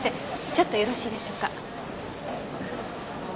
ちょっとよろしいでしょうか？